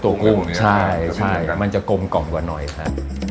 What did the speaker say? ตัวกุ้งใช่มันจะกลมกล่องกว่าน้อยค่ะ